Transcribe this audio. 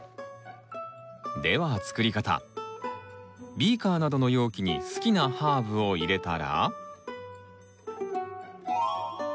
ビーカーなどの容器に好きなハーブを入れたら。